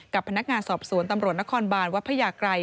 กับพนักงานสอบสวนตำรวจนครบานวัดพญาไกร